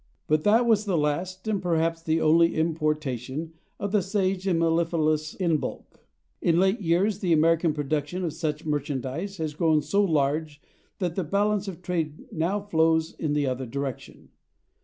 But that was the last and perhaps the only importation of the sage and mellifluous in bulk. In late years the American production of such merchandise has grown so large that the balance of trade now flows in the other direction.